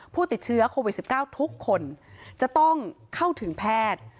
ผู้ติดเชื้อโควิด๑๙ทุกคนจะต้องเข้าถึงแพทย์